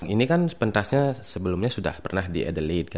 ini kan pentasnya sebelumnya sudah pernah di adelaide